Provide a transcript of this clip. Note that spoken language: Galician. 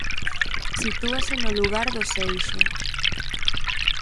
Sitúase no lugar do Seixo.